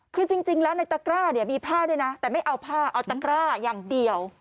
คือจริงแล้วในตะกร้าเนี่ยมีผ้าด้วยนะแต่ไม่เอาผ้าเอาตะกร้าอย่างเดียว